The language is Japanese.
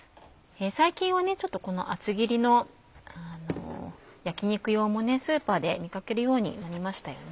最近はちょっと厚切りの焼き肉用もスーパーで見かけるようになりましたよね。